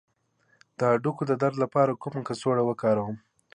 د هډوکو د درد لپاره کومه کڅوړه وکاروم؟